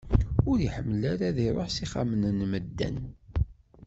Ur iḥemmel ara ad iruḥ s ixxamen n medden.